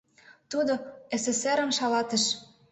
Тудо СССР-ым шалатыш...